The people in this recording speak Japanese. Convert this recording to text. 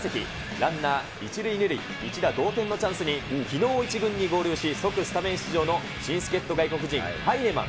ランナー１塁２塁、一打同点のチャンスに、きのう、１軍に合流し、即スタメン出場の新助っ人外国人、ハイネマン。